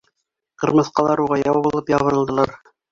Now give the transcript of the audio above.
Ҡырмыҫҡалар уға яу булып ябырылдылар.